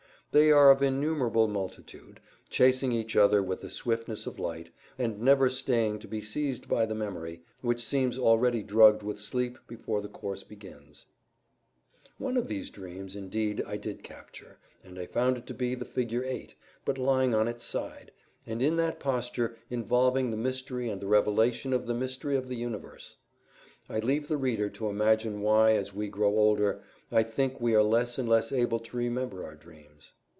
They are of innumerable multitude, chasing each other with the swiftness of light, and never staying to be seized by the memory, which seems already drugged with sleep before their course begins. One of these dreams, indeed, I did capture, and I found it to be the figure 8, but lying on its side, and in that posture involving the mystery and the revelation of the mystery of the universe. I leave the reader to imagine why. As we grow older, I think we are less and less able to remember our dreams.